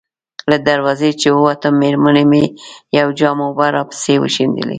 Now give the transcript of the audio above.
له دروازې چې ووتم، مېرمنې مې یو جام اوبه راپسې وشیندلې.